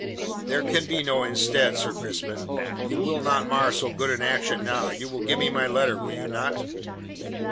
"There can be no instead, Sir Crispin. You will not mar so good an action now. You will give me my letter, will you not?"